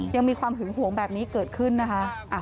ยังมีความหึงหวงแบบนี้เกิดขึ้นนะคะ